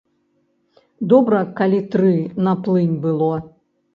Добра калі тры на плынь было.